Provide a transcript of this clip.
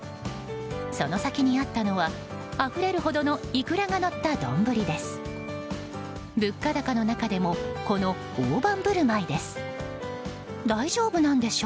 その先にあったのはあふれるほどのイクラがのった丼です。